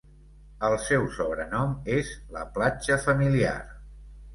El seu sobrenom és "la platja familiar".